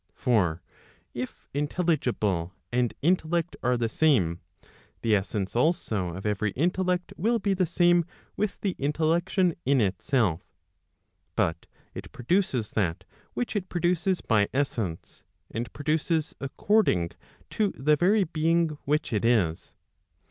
For if intelligible and intellect are the same, the essence also of every intellect will be the same with the intellection in itself. But it produces that which it produces by essence, and produces according to the very being, which it is.